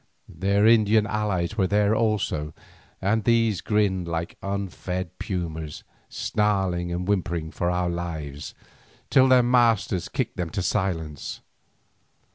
Their Indian allies were there also, and these grinned like unfed pumas, snarling and whimpering for our lives, till their masters kicked them to silence.